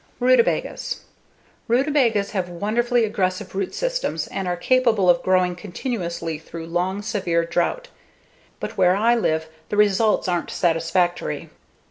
Rutabagas Rutabagas have wonderfully aggressive root systems and are capable of growing continuously through long, severe drought. But where I live, the results aren't satisfactory.